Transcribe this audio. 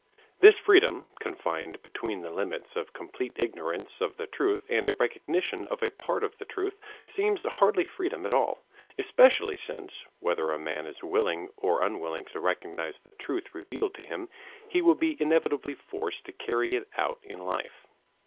This freedom, confined between the limits of complete ignorance of the truth and a recognition of a part of the truth, seems hardly freedom at all, especially since, whether a man is willing or unwilling to recognize the truth revealed to him, he will be inevitably forced to carry it out in life.